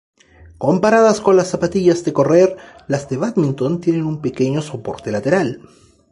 Comparadas con las zapatillas de correr, las de bádminton tienen un pequeño soporte lateral.